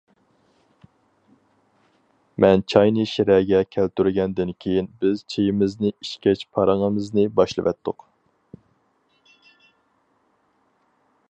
مەن چاينى شىرەگە كەلتۈرگەندىن كېيىن بىز چېيىمىزنى ئىچكەچ پارىڭىمىزنى باشلىۋەتتۇق.